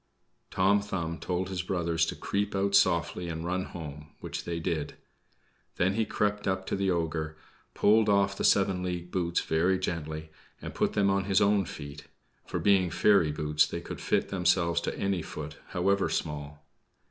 Tom Thumb told his brothers to creep out softly and run home; which they did. Then he crept up to the ogre, pulled off the seven league boots very gently and put them on his own feet, for being fairy boots they could fit themselves to any foot, however small.